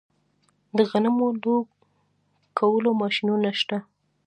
د غنمو لو کولو ماشینونه شته